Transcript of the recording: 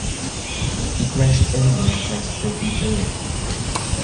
He crashed early and placed thirty-third.